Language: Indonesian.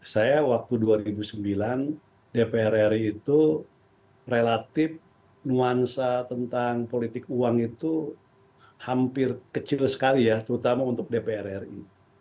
saya waktu dua ribu sembilan dpr ri itu relatif nuansa tentang politik uang itu hampir kecil sekali ya terutama untuk dpr ri